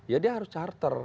ya dia harus charter